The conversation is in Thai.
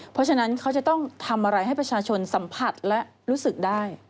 เพราะฉะนั้นเขาจะต้องทำอะไรให้ประชาชนสัมผัสและรู้สึกได้